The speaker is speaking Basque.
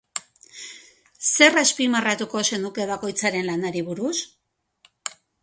Zer azpimarratuko zenuke bakoitzaren lanari buruz?